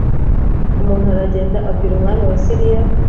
Umuntu aragenda abwira umwami wa siriya